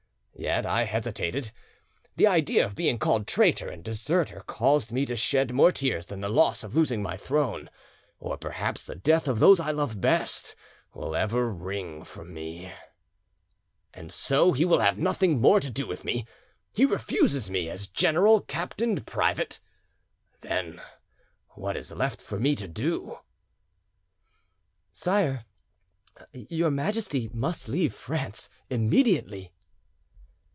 Yet I hesitated; the idea of being called traitor and deserter caused me to shed more tears than the loss of my throne, or perhaps the death of those I love best, will ever wring from me.... And so he will have nothing more to do with me? He refuses me as general, captain, private? Then what is left for me to do?" "Sire, your Majesty must leave France immediately."